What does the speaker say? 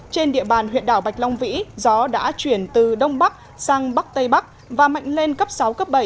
trên địa bàn huyện đảo bạch long vĩ gió đã chuyển từ đông bắc sang bắc tây bắc và mạnh lên cấp sáu cấp bảy